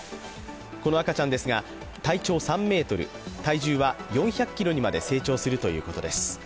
この赤ちゃんですが、体調３ｍ、体重は４００ｋｇにまで成長するということです。